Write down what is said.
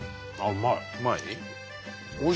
うまい？